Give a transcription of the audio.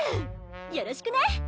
よろしくね！